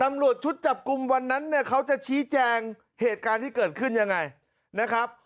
ตำรวจชุดจับกลุ่มวันนั้นเนี่ยเขาจะชี้แจงเหตุการณ์ที่เกิดขึ้นยังไงนะครับ